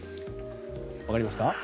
わかりますか？